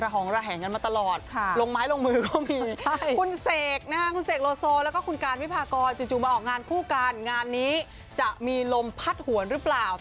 ท่านี้แสบกว่าคู่จิ้นคู่ไหนใบบนโลกที่นี่แล้ว